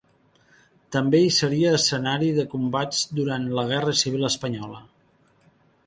També hi seria escenari de combats durant la Guerra Civil espanyola.